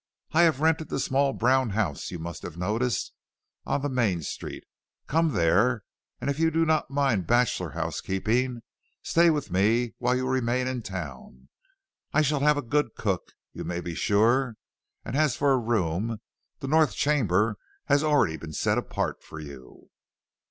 I have rented the small brown house you must have noticed on the main street. Come there, and if you do not mind bachelor housekeeping, stay with me while you remain in town. I shall have a good cook, you may be sure, and as for a room, the north chamber has already been set apart for you."